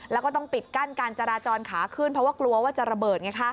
แล้วก็ต้องปิดกั้นการจราจรขาขึ้นเพราะว่ากลัวว่าจะระเบิดไงคะ